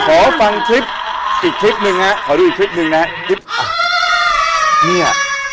ขอฟังคลิปอีกคลิปหนึ่งน่ะขอดูอีกคลิปหนึ่งน่ะอ่านี่อ่ะ